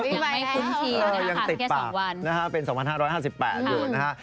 ปีใหม่ครึ่งทียังติดปากเป็น๒๕๕๘อยู่นะฮะ